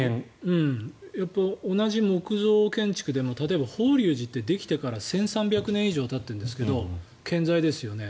同じ木造建築でも例えば、法隆寺ってできてから１３００年以上たっていますけども健在ですよね。